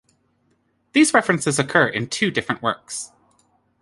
These references occur in two different works.